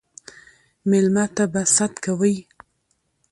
ميلمه ته به ست کوئ